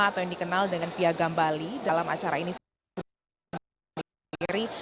atau yang dikenal dengan piagam bali dalam acara ini sendiri